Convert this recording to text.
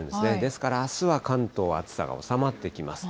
ですからあすは関東、暑さが収まってきます。